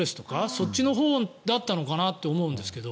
そっちのほうだったのかなと思うんですけど。